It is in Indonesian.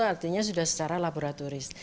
artinya sudah secara laboratoris